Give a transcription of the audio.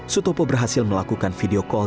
sutopo berhasil melakukan video call